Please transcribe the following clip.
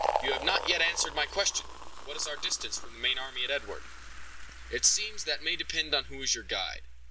You have not yet answered my question; what is our distance from the main army at Edward?" "It seems that may depend on who is your guide.